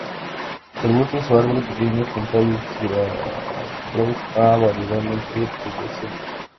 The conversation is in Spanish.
Son arbustos a árboles pequeños; con tallos glabros a variadamente pubescentes.